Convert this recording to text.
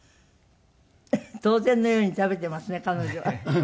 当然のように食べてますね彼女は。